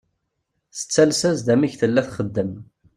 Tattales-as-d amek tella txeddem.